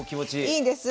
いいです。